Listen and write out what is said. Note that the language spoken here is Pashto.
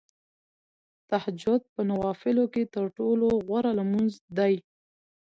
تهجد په نوافلو کې تر ټولو غوره لمونځ دی .